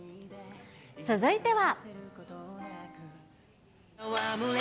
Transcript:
続いては。